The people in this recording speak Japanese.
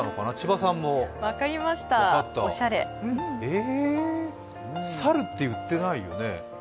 え、猿って言ってないよね？